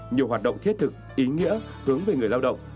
nhiều hoạt động thiết thực ý nghĩa hướng về người lao động